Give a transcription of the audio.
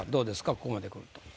ここまでくると。